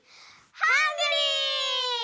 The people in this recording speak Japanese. ハングリー！